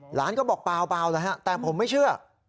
หลานก็บอกเปล่าแต่ผมไม่เชื่อ